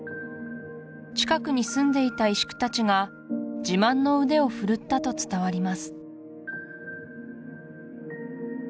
近くに住んでいた石工達が自慢の腕を振るったと伝わります